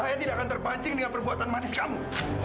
saya tidak akan terpancing dengan perbuatan manis kamu